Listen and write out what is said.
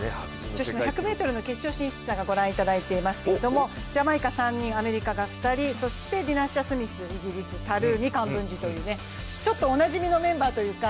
女子の１００ｍの決勝進出者を御覧いただいていますがジャマイカ３人、アメリカが２人、そしてディナ・アッシャー・スミス、イギリス、タルーにカンブンジというおなじみのメンバーというか、